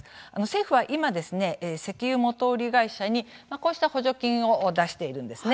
政府は今、石油元売り会社にこうした補助金を出してるんです。